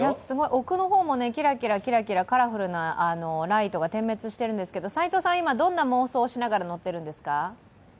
奥の方もキラキラ、カラフルなライトが点滅しているんですけど齋藤さん、今、どんな妄想をしながら乗っているんですか？